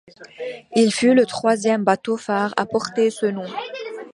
Il fut le troisième bateau-phare à porter ce nom.